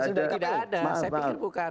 sendiri tidak ada saya pikir bukan